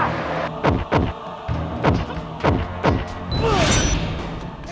aku akan menembakmu